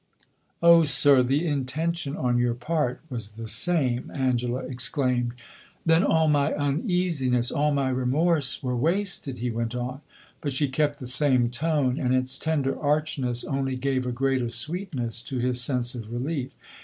"Oh, sir, the intention on your part was the same!" Angela exclaimed. "Then all my uneasiness, all my remorse, were wasted?" he went on. But she kept the same tone, and its tender archness only gave a greater sweetness to his sense of relief.